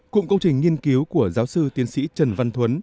cụm công trình nghiên cứu của giáo sư tiến sĩ trần văn thuấn